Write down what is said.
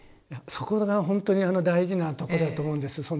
いやそこがほんとに大事なとこだと思うんです。